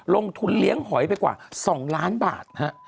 ลงทุนเลี้ยงหอยไปกว่า๒ล้านบาท